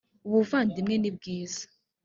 ubuvandimwe ni bwiza